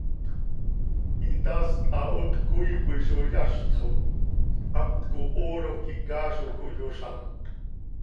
Hitaast hahoot cöcoii coi zo yazt xo haptco hooro quih chaa zo cohyozám.